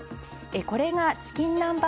これがチキン南蛮